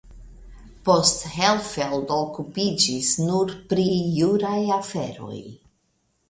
Poste Hellfeld okupiĝis nur pri juraj aferoj.